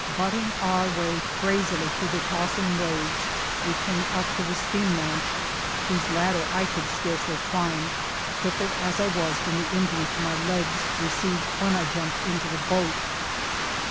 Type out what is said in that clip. Butting our way crazily through the tossing waves, we came up to the steam launch, whose ladder I could scarcely climb, crippled as I was from the injury to my legs received when I jumped into the boat.